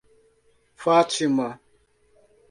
Fátima